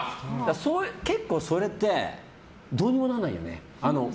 結構それってどうにもならないよね。